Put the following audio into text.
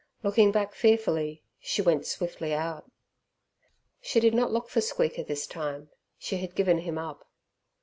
Looking back fearfully, she went swiftly out. She did not look for Squeaker this time, she had given him up.